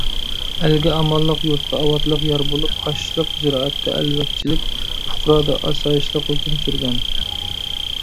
ئەلگە ئامانلىق، يۇرتقا ئاۋاتلىق يار بولۇپ، ئاشلىق - زىرائەتتە ئەلۋەكچىلىك، پۇقرادا ئاسايىشلىق ھۆكۈم سۈرگەن.